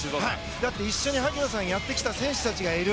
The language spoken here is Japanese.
だって、一緒に萩野さんやってきた選手がいる。